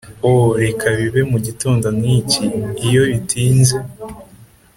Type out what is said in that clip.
o reka bibe mugitondo nkiki, iyo bitinze